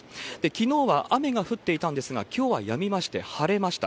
きのうは雨が降っていたんですが、きょうはやみまして、晴れました。